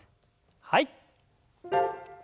はい。